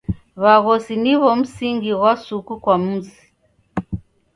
W'aghosi niw'o msingi ghwa suku kwa mzi.